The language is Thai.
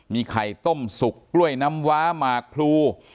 มีไข่ต้มสุกกล้วยน้ำว้าหมากพลู